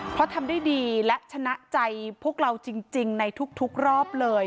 เพราะทำได้ดีและชนะใจพวกเราจริงในทุกรอบเลย